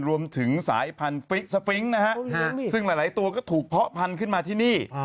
รวมถึงสายพันธุ์สฟริ้งนะฮะซึ่งหลายตัวก็ถูกเพาะพันธุ์ขึ้นมาที่นี่